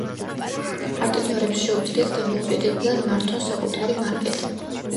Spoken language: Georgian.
პარტნიორებს შეუძლიათ დამოუკიდებლად მართონ საკუთარი მარკეტი.